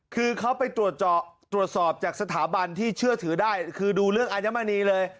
คือเขาไปตรวจสอบจากสถาบันที่เชื่อถือได้คือดูเรื่องอัญมณีเลย